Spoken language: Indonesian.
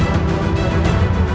hidup raden walang susah